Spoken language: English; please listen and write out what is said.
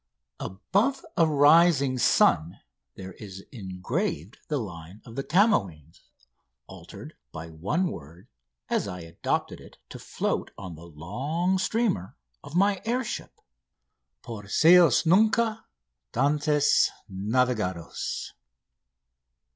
Above a rising sun there is engraved the line of Camoëns, altered by one word, as I adopted it to float on the long streamer of my air ship: "Por ceos nunca d'antes navegados!"